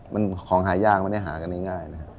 มันของหายากไม่ได้หากันง่ายนะครับ